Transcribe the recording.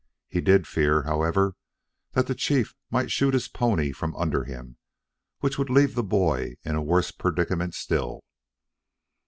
He did fear, however, that the chief might shoot his pony from under him, which would leave the boy in a worse predicament still.